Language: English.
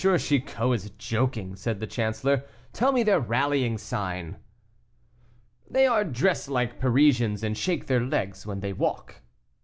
Chicot is joking," said the chancellor; "tell me their rallying sign." "They are dressed like Parisians, and shake their legs when they walk."